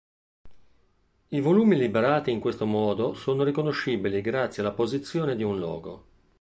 I volumi liberati in questo modo sono riconoscibili grazie all'apposizione di un logo.